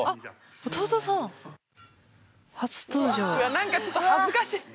なんかちょっと恥ずかしい。